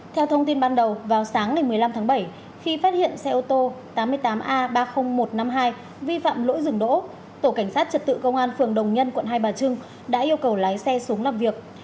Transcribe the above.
theo thông tin ban đầu vào sáng ngày một mươi năm tháng bảy khi phát hiện xe ô tô tám mươi tám a ba mươi nghìn một trăm năm mươi hai vi phạm lỗi dừng đỗ tổ cảnh sát trật tự công an phường đồng nhân quận hai bà trưng đã yêu cầu lái xe xuống làm việc